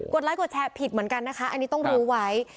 ไลค์กดแชร์ผิดเหมือนกันนะคะอันนี้ต้องรู้ไว้